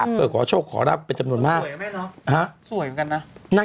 อยากจะทำเหมือนกันอะ